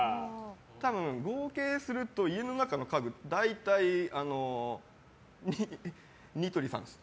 多分、合計すると家の中の家具大体ニトリさんです。